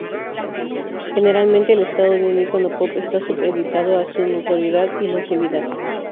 Generalmente, el estado de un icono pop está supeditado a su notoriedad y longevidad.